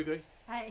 はい。